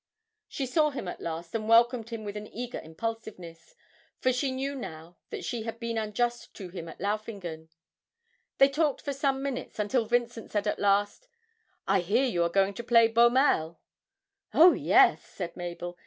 She saw him at last and welcomed him with an eager impulsiveness for she knew now that she had been unjust to him at Laufingen. They talked for some minutes, until Vincent said at last, 'I hear you are going to play Beaumelle?' 'Oh, yes,' said Mabel.